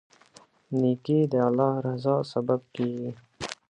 نیکي د الله رضا سبب کیږي.